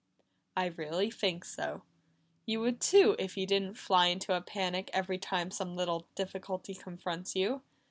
"I really think so. You would too if you didn't fly into a panic every time some little difficulty confronts you.